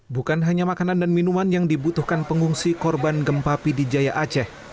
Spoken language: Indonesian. bukan hanya makanan dan minuman yang dibutuhkan pengungsi korban gempa p d jaya aceh